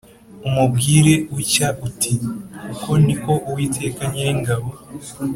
umubwire utya uti ‘Uko ni ko Uwiteka Nyiringabo